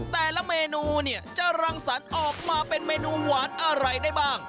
แต่ละเมนูเนี่ยจะรังสรรค์ออกมาเป็นเมนูหวานอะไรได้บ้าง